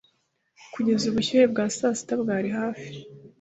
Kugeza ubushyuhe bwa saa sita bwari hafi